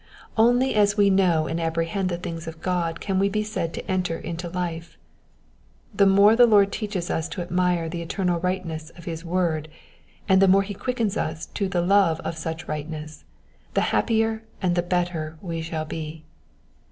Only as we know and apprehend the things of God can we be said to enter into life. The more the Lord teaches us to admire the eternal rightness of his word, and the more he quickens us to the love of such rightness, the happier and the better we shall be.